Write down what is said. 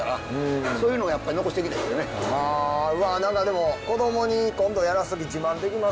うわ何かでも子供に今度やらす時自慢できますわ。